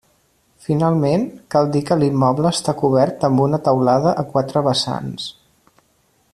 Finalment, cal dir que l'immoble està cobert amb una teulada a quatre vessants.